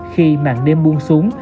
khi mạng đêm buông xuống